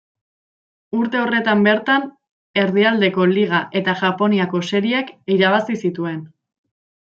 Urte horretan bertan Erdialdeko Liga eta Japoniako Serieak irabazi zituen.